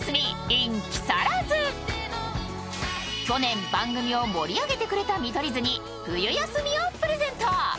去年、番組を盛り上げてくれた見取り図に冬休みをプレゼント！